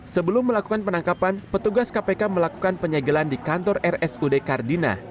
sebelum melakukan penangkapan petugas kpk melakukan penyegelan di kantor rsud kardina